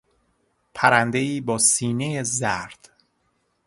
پرندهای با سینهی زرد